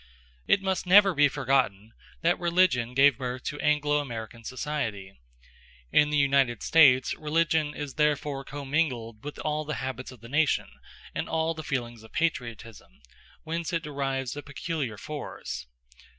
It must never be forgotten that religion gave birth to Anglo American society. In the United States religion is therefore commingled with all the habits of the nation and all the feelings of patriotism; whence it derives a peculiar force.